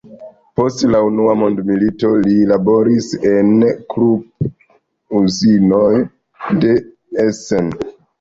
Post la unua mondmilito, li laboris en Krupp-uzinoj de Essen.